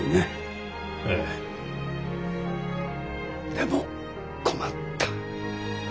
でも困った。